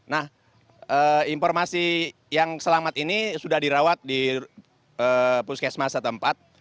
nah informasi yang selamat ini sudah dirawat di puskesma setempat